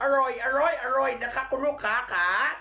อร่อยนะคะคุณลูกค้า